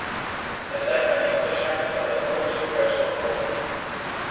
Het lijkt me niet waarschijnlijk dat het ooit zover zal komen.